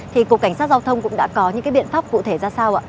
thì cục cảnh sát giao thông cũng đã có những biện pháp cụ thể ra sao ạ